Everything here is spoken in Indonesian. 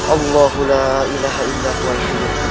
allahulailah ilah wa ilah